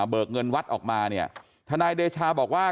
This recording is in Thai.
เบิกเงินวัดออกมาทนายเดชาบอกว่า